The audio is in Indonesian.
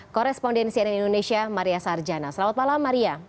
korespondensi dari indonesia maria sarjana selamat malam maria